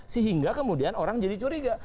sehingga kemudian orang jadi curiga